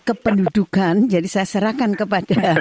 kependudukan jadi saya serahkan kepada